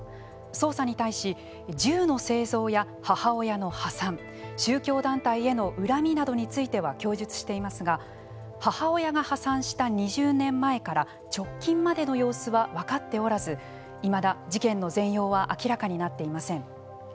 捜査に対し銃の製造や母親の破産宗教団体への恨みなどについては供述していますが母親が破産した２０年前から直近までの様子は分かっておらずいまだ事件の全容は明らかになっていません。